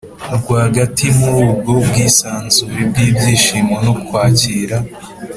rwagati muri ubwo bwisanzure bw’ibyishimo no kwakira